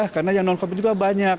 karena yang non covid juga banyak